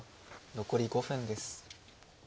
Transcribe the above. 残り５分です。